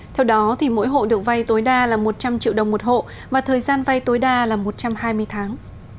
theo đó mỗi hộ được vay tối đa là một trăm linh triệu đồng một hộ và thời gian vay tối đa là một trăm hai mươi tháng